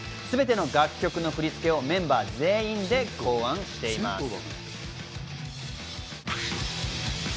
すべての楽曲の振り付けをメンバー全員で考案しています。